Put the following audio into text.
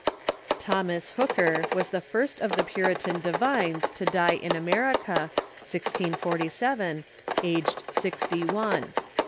Thomas Hooker was the first of the Puritan divines to die in America (1647) aged sixty one.